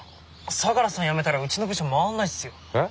相良さん辞めたらうちの部署回んないっすよ。え？